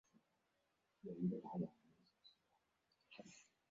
他也曾效力于水晶宫和朴茨茅斯等球队。